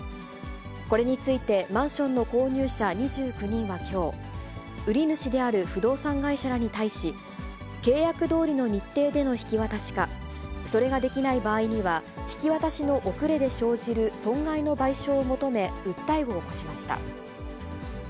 これについてマンションの購入者２９人はきょう、売り主である不動産会社らに対し、契約どおりの日程での引き渡しか、それができない場合には、引き渡しの遅れで生じる損害の賠償を求め、訴えを起こしました。